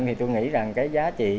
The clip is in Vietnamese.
thì tôi nghĩ rằng cái giá trị